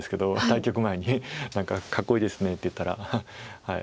対局前に「かっこいいですね」って言ったら。